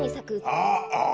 ああ。